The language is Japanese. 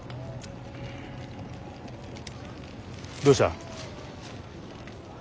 どうした。